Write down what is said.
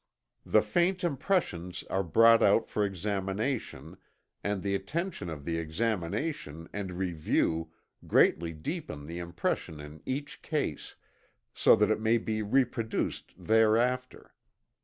The faint impressions are brought out for examination, and the attention of the examination and review greatly deepen the impression in each case, so that it may be reproduced thereafter.